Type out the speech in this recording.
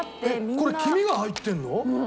えっこれ黄身が入ってるの？